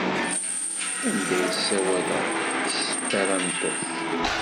Anda ay ssawaleɣ s tesperantot?